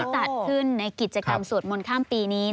จัดขึ้นในกิจกรรมสวดมนต์ข้ามปีนี้